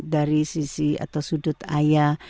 dari sisi atau sudut ayah